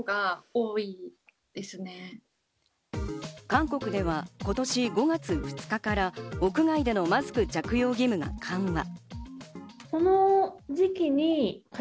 韓国では今年５月２日から屋外でのマスク着用義務が緩和。